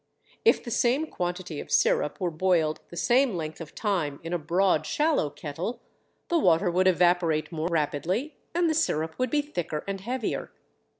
If the same quantity of sirup were boiled the same length of time in a broad, shallow kettle the water would evaporate more rapidly and the sirup would be thicker and heavier.